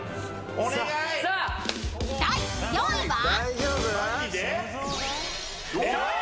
［第４位は？］